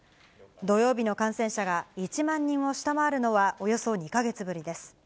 土曜日の感染者が１万人を下回るのは、およそ２か月ぶりです。